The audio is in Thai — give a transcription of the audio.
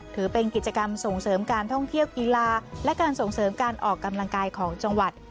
ถือเป็นกิจกรรมส่งเสริมการท่องเที่ยวกีฬาและการส่งเสริมการออกกำลังกายของจังหวัด